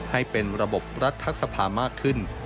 ให้เป็นระบบรัฐสภามากขึ้น